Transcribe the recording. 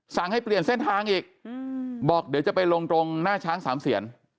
ให้เปลี่ยนเส้นทางอีกบอกเดี๋ยวจะไปลงตรงหน้าช้างสามเสียน